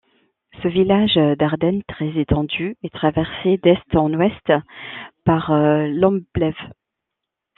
Ce village d'Ardenne très étendu est traversé d'est en ouest par l'Amblève.